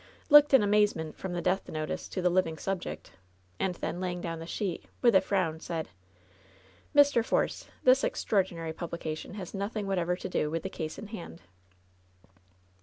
looked in amaze ment from the death notice to the living subject, and then laying down the sheet, with a frown, said : LOVE'S BITTEREST CUP 121 '^Mr. Force, this extraordinary publication has noth ing whatever to do with the case in hand."